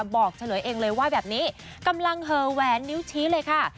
เฉลยเองเลยว่าแบบนี้กำลังเหอแหวนนิ้วชี้เลยค่ะ